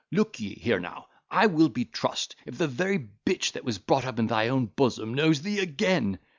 Look ye here now, I will be trussed, if the very bitch that was brought up in thy own bosom knows thee again.